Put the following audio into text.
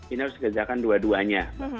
ini harus dikerjakan dua duanya